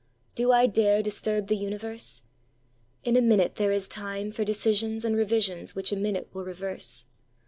Do I dareDisturb the universe? In a minute there is timeFor decisions and revisions which a minute will reverse.